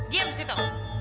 diam di situ